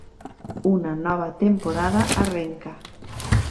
Una nova temporada arrenca.